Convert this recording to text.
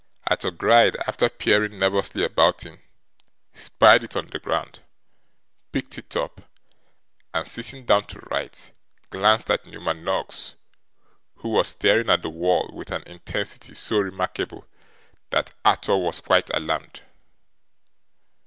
Arthur Gride, after peering nervously about him, spied it on the ground, picked it up, and sitting down to write, glanced at Newman Noggs, who was staring at the wall with an intensity so remarkable, that Arthur was quite alarmed.